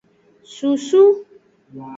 Susu.